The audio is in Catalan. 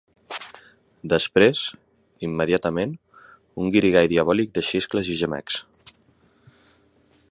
Després, immediatament, un guirigall diabòlic de xiscles i gemecs.